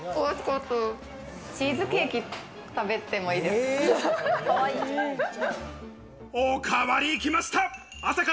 チーズケーキ食べてもいいですか？